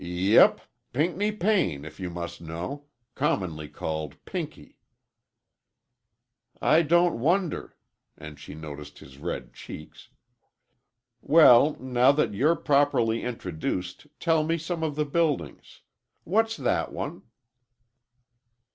"Yep. Pinckney Payne, if you must know. Commonly called Pinky." "I don't wonder," and she noticed his red cheeks. "Well, now that you're properly introduced, tell me some of the buildings. What's that one?"